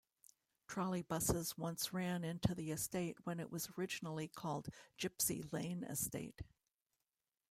Trolleybuses once ran into the estate when it was originally called Gypsy Lane Estate.